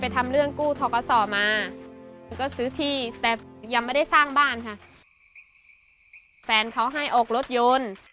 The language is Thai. แฟนเขาให้ออกรถยนต์